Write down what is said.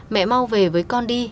mẹ mau về với con đi